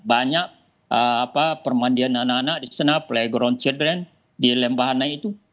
banyak permandian anak anak di sana playground children di lembah hanai itu